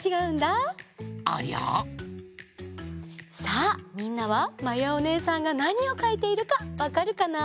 さあみんなはまやおねえさんがなにをかいているかわかるかな？